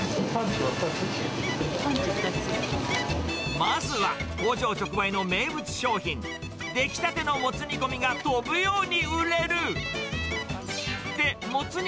まずは工場直売の名物商品、出来たてのもつ煮込みが飛ぶように売れる。